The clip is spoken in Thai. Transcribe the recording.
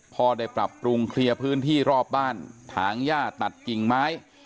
พ่อได้ปรับปรุงเคลียร์พื้นที่รอบบ้านถางย่าตัดกิ่งไม้